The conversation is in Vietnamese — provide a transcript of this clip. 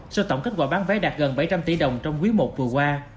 sau tổng kết quả bán vé đạt gần bảy trăm linh tỷ đồng trong quý i vừa qua